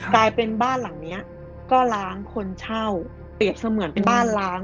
กลายเป็นบ้านหลังเนี้ยก็ล้างคนเช่าเปรียบเสมือนเป็นบ้านล้าง